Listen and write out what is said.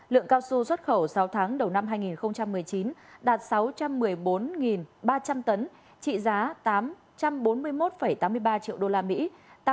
lượng cao su xuất khẩu sáu tháng đầu năm hai nghìn một mươi chín đạt sáu trăm một mươi bốn ba trăm linh tấn trị giá tám trăm bốn mươi một tám mươi ba triệu usd